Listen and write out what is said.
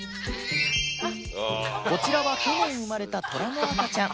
こちらは去年生まれたトラの赤ちゃん